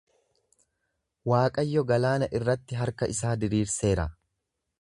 Waaqayyo galaana irratti harka isaa diriirseera.